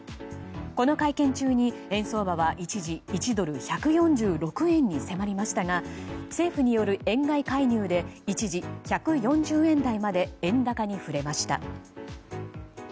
この会見中に円相場は一時１ドル＝１４６円に迫りましたが政府による円買い介入で一時１４０円台まで円高に振れました。